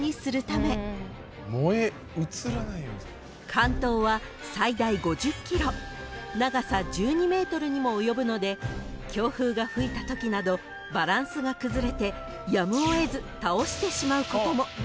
［竿燈は最大５０ｋｇ長さ１２ｍにも及ぶので強風が吹いたときなどバランスが崩れてやむを得ず］